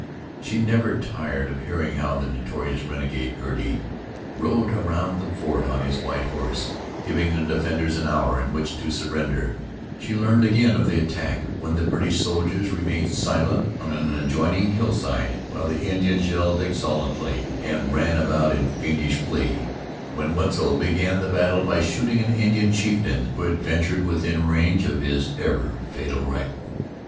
She never tired of hearing how the notorious renegade, Girty, rode around the fort on his white horse, giving the defenders an hour in which to surrender; she learned again of the attack, when the British soldiers remained silent on an adjoining hillside, while the Indians yelled exultantly and ran about in fiendish glee, when Wetzel began the battle by shooting an Indian chieftain who had ventured within range of his ever fatal rifle.